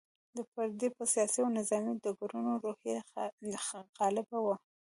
پر دوی په سیاسي او نظامي ډګرونو روحیه غالبه وه.